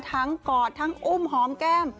กอดทั้งอุ้มหอมแก้ม